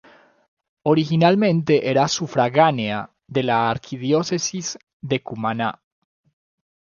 Originalmente era sufragánea de la Arquidiócesis de Cumaná.